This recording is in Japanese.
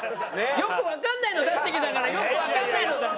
よくわかんないの出してきたからよくわかんないの出す。